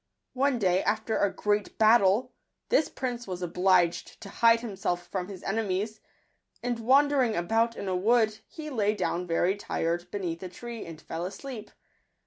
One day, after a great battle, this prince was obliged to hide himself from his enemies ; and wandering about in a wood, he lay down very tired beneath a tree, and fell asleep.